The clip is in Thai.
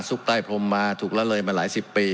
ใต้พรมมาถูกละเลยมาหลายสิบปี